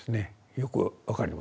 よく分かります。